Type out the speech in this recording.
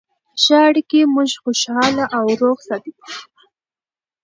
ښه اړیکې موږ خوشحاله او روغ ساتي.